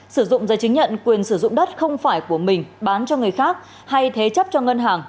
sử dụng giấy chứng nhận quyền sử dụng đất không phải của mình bán cho người khác hay thế chấp cho ngân hàng